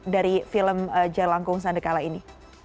dari film jelangkung sandekala ini